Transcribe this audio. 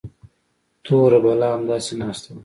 توره بلا همداسې ناسته وه.